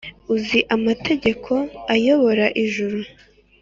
uzi amategeko ayobora ijuru’